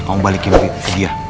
kamu balikin ke dia